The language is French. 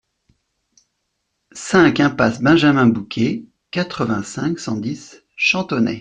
cinq impasse Benjamin Bouquet, quatre-vingt-cinq, cent dix, Chantonnay